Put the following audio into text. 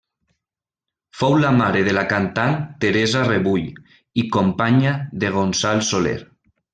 Fou la mare de la cantant Teresa Rebull i companya de Gonçal Soler.